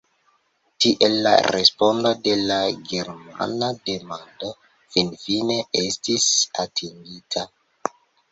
Tiel la respondo de la germana demando finfine estis atingita.